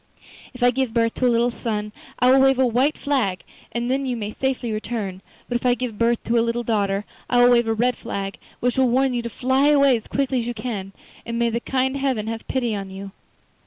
If I give birth to a little son I will wave a white flag, and then you may safely return; but if I give birth to a little daughter I will wave a red flag, which will warn you to fly away as quickly as you can, and may the kind Heaven have pity on you.